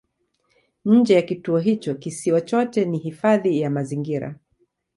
Nje ya kituo hicho kisiwa chote ni hifadhi ya mazingira.